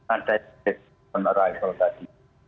ada yang penerai tadi